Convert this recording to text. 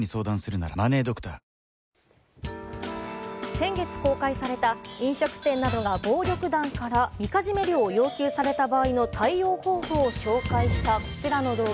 先月公開された飲食店などが暴力団からみかじめ料を要求された場合の対応方法を紹介したこちらの動画。